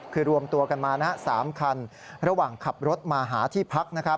คือรวมตัวกันมา๓คันระหว่างขับรถมาหาที่พัก